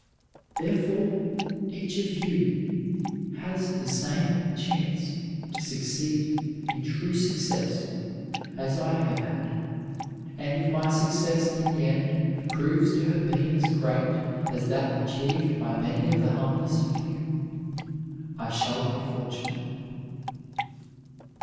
Therefore each of you has the same chance to succeed in true success as I have had, and if my success in the end proves to have been as great as that achieved by many of the humblest of you I shall be fortunate."